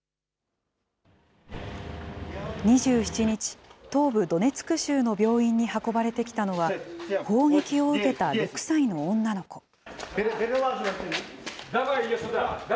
２７日、東部ドネツク州の病院に運ばれてきたのは、砲撃を受けた６歳の女の子。